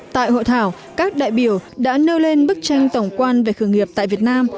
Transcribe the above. tại hội thảo các đại biểu đã nêu lên bức tranh tổng quan về khởi nghiệp tại việt nam